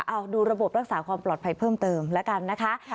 เอาดูระบบรักษาความปลอดภัยเพิ่มเติมแล้วกันนะคะ